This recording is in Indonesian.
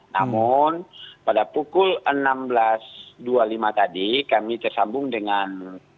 namun pada pukul enam belas dua puluh lima tadi kami tersambung dengan